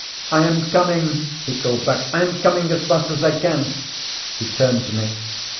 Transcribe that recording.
"I am coming," he called back; "I am coming as fast as I can!" He turned to me.